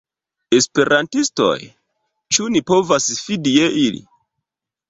Esperantistoj? Ĉu ni povas fidi je ili?